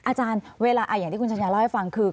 อาจารย์เวลาอย่างที่คุณชัญญาเล่าให้ฟังคือ